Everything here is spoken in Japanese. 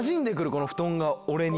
この布団が俺に。